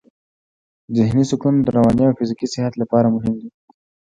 ذهني سکون د رواني او فزیکي صحت لپاره مهم دی.